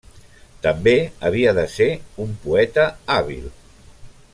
També havia de ser un poeta hàbil.